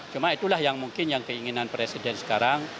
cuma itulah yang mungkin yang keinginan presiden sekarang